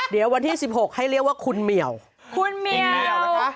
เดี๋ยววันที่๑๖ให้เรียกว่าคุณเมียวคุณเมียว